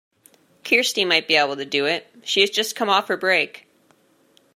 Kirsty might be able to do it; she has just come off her break.